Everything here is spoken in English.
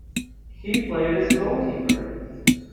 He played as a goalkeeper.